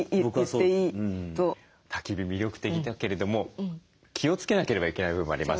たき火魅力的だけれども気をつけなければいけない部分もありますね。